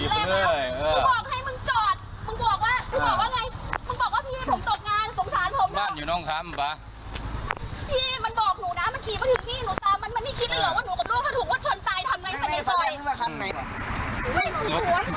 ไปไหนมั้ย